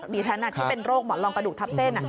ดิฉันที่เป็นโรคหมอนรองกระดูกทับเส้น